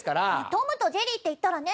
『トムとジェリー』っていったらね。